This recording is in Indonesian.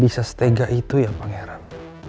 bisa setega itu ya pangeran